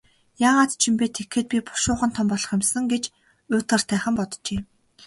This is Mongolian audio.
Яагаад ч юм бэ, тэгэхэд би бушуухан том болох юм сан гэж уйтгартайхан боджээ.